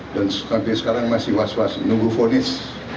dan sampai sekarang masih was was nunggu vonis